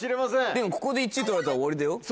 でもここで１位取られたら終わりだよ。